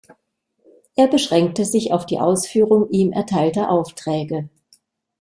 Er beschränkte sich auf die Ausführung ihm erteilter Aufträge.